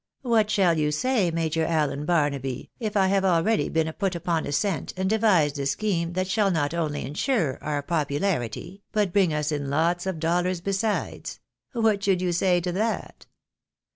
" What shall you say. Major Allen Barnaby, if I have already been put upon a scent, and devised a scheme that shall not only insure our popularity, but bring us in lots of dollars besides ; what should you say to that